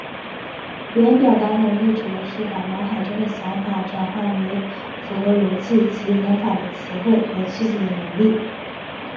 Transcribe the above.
语言表达能力指的是把脑海中的想法转换为符合逻辑及文法的词汇和句子的能力。